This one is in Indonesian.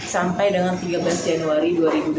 sampai dengan tiga belas januari dua ribu dua puluh